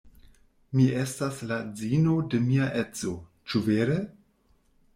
Mi estas la edzino de mia edzo; ĉu vere?